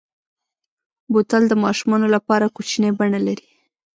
بوتل د ماشومو لپاره کوچنۍ بڼه لري.